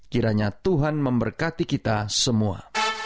kiranya tuhan memberkati kita semua